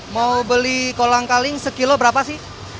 mau beli kolang kaling sekilo berapa sih